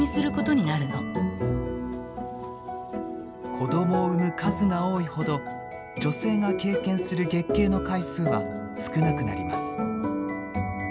子どもを産む数が多いほど女性が経験する月経の回数は少なくなります。